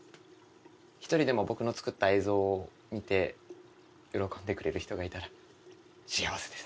一人でも僕の作った映像を見て喜んでくれる人がいたら幸せです。